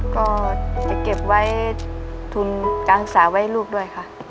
ก็จะเก็บไว้ทุนการศึกษาไว้ให้ลูกด้วยค่ะ